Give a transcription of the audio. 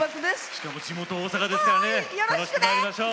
しかも地元大阪ですからね楽しくまいりましょう。